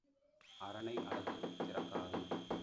அரணை அலகு திறக்காது.